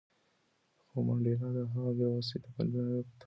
خو منډېلا د هغه بې وسۍ ته په درناوي وکتل.